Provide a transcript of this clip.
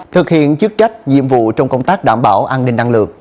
thực hiện chức trách nhiệm vụ trong công tác đảm bảo an ninh năng lượng